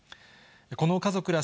この家族ら